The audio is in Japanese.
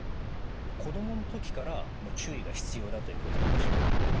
子どもの時から注意が必要だということなんでしょうか？